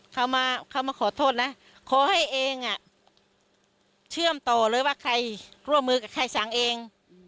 เขามาเขามาขอโทษนะขอให้เองเชื่อมต่อเลยว่าใครร่วมมือกับใครสั่งเอง